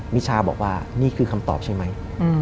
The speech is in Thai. มิชาบอกว่านี่คือคำตอบใช่ไหม